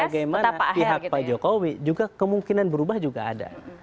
bagaimana pihak pak jokowi juga kemungkinan berubah juga ada